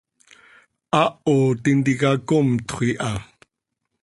Haaho tintica comtxö iha.